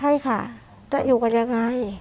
ใช่ค่ะจะอยู่กันยังไง